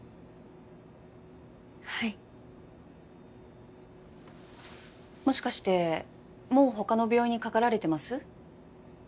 はいもしかしてもう他の病院にかかられてます？